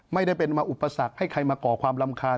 ไม่ได้เป็นมาอุปสรรคให้ใครมาก่อความรำคาญ